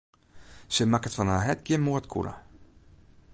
Sy makket fan har hert gjin moardkûle.